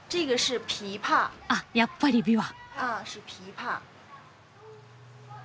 あっやっぱり琵琶。